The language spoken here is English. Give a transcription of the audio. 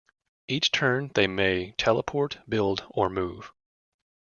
Each turn, they may Teleport, Build, or Move.